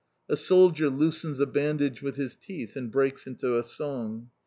A soldier loosens a bandage with his teeth, and breaks into a song.